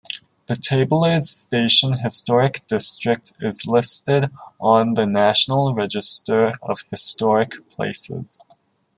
The Tabler's Station Historic District is listed on the National Register of Historic Places.